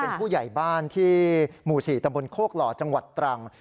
เป็นผู้ใหญ่บ้านที่หมู่๔ตำบลโคกหล่อจังหวัดตรัง